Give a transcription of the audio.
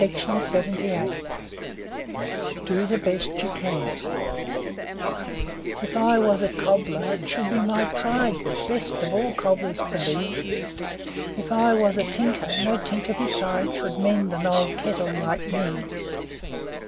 UNKNOWN DO THE BEST YOU CAN If I was a cobbler it should be my pride The best of all cobblers to be; If I was a tinker, no tinker beside Should mend an old kettle like me.